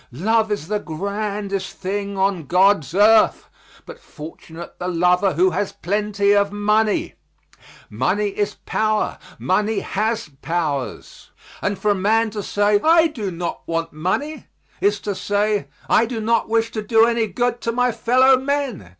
Love is the grandest thing on God's earth, but fortunate the lover who has plenty of money. Money is power; money has powers; and for a man to say, "I do not want money," is to say, "I do not wish to do any good to my fellowmen."